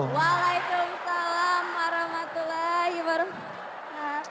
waalaikumsalam warahmatullahi wabarakatuh